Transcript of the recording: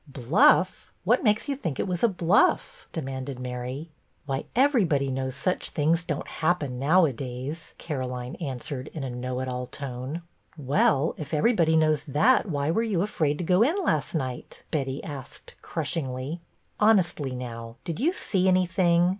"Bluff.? What makes you think it was a bluff ?" demanded Mary. " Why, everybody knows such things don't happen nowadays," Caroline answered, in a know it all tone. "Well, if everybody knows that, why were you afraid to go in last night ?" Betty asked crushingly. " Honestly, now, did you see anything